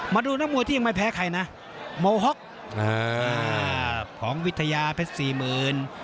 มาดูนักมวยที่ยังไม่แพ้ใครนะโมฮ็อกของวิทยาเพชรสี่หมื่น